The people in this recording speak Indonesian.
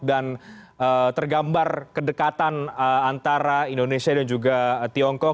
dan tergambar kedekatan antara indonesia dan juga tiongkok